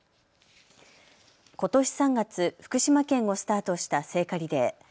ことし３月、福島県をスタートした聖火リレー。